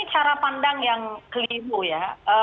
menurut saya ini cara pandang yang keliru ya